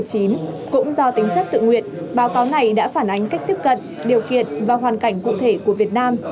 cũng do tính chất tự nguyện báo cáo này đã phản ánh cách tiếp cận điều kiện và hoàn cảnh cụ thể của việt nam